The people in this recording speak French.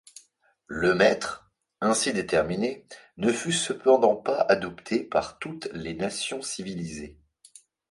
Le mètre, ainsi déterminé, ne fut cependant pas adopté par toutes les nations civilisées.